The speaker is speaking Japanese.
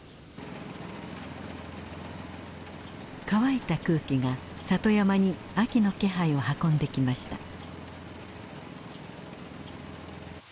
乾いた空気が里山に秋の気配を運んできました。